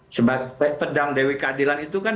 sebagai pedang dewi keadilan itu kan